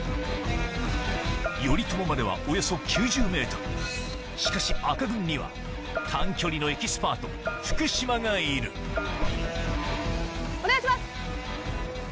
頼朝まではおよそ９０ｍしかし赤軍には短距離のエキスパート福島がいるお願いします！